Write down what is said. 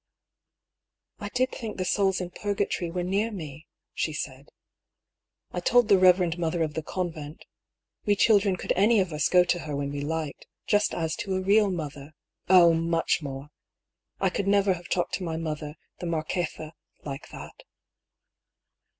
" I did think the souls in Purgatory were near me," she said. " I told the Eeverend Mother of the Convent. We children could any of us go to her when we liked, just as to a real mother. Oh, much more ! I could never have talked to my mother, the Marquesa, like that."